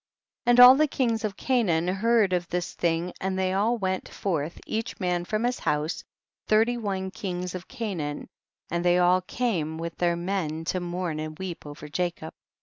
43. And all the kings of Canaan heard of this thing and they all went forth, each man from his house, thirty one kings of Canaan, and they all came with their men to mourn and weep over Jacob.